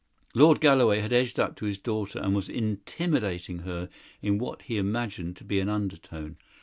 Lord Galloway had edged up to his daughter, and was intimidating her in what he imagined to be an undertone.